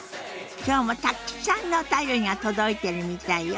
今日もたくさんのお便りが届いているみたいよ。